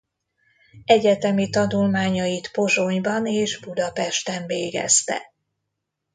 Egyetemi tanulmányait Pozsonyban és Budapesten végezte.